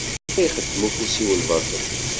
Ma yexdem ufus-iw lbaṭel.